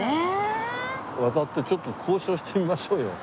渡ってちょっと交渉してみましょうよ。